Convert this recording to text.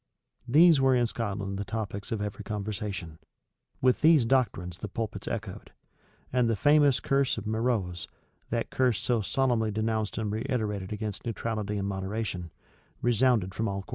These were in Scotland the topics of every conversation: with these doctrines the pulpits echoed: and the famous curse of Meroz, that curse so solemnly denounced and reiterated against neutrality and moderation, resounded from all quarters.